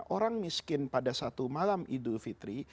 orang miskin pada satu malam idul fitri